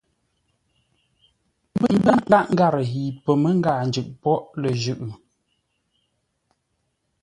Mbə́ nkâʼ ngarə yi pəməngâa njʉʼ póghʼ lə jʉ́.